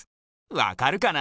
わかるかな？